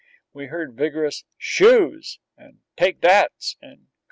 We heard vigorous "Shoos!" and "Take thats!"